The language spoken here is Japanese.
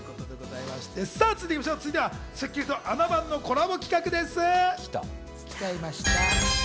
続いては『スッキリ』と『あな番』のコラボ企画です。